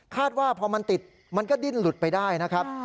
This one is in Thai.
ว่าพอมันติดมันก็ดิ้นหลุดไปได้นะครับ